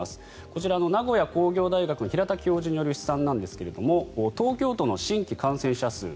こちら、名古屋工業大学の平田教授による試算ですが東京都の新規感染者数